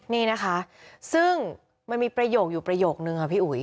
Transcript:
นี่นะคะซึ่งมันมีประโยคอยู่ประโยคนึงค่ะพี่อุ๋ย